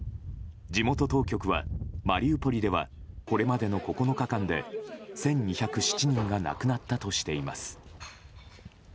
地元当局は、マリウポリではこれまでの９日間で１２０７人が亡くなったとしています。